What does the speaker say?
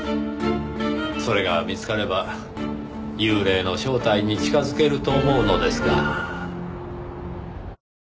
それが見つかれば幽霊の正体に近づけると思うのですが。